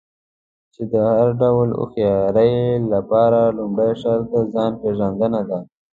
چې د هر ډول هوښيارۍ لپاره لومړی شرط د ځان پېژندنه ده.